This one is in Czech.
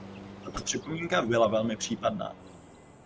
Tato připomínka byla velmi případná.